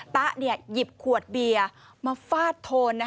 ตะหยิบขวดเบียร์มาฟาดโทน